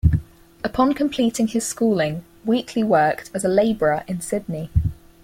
Upon completing his schooling, Wheatley worked as a labourer in Sydney.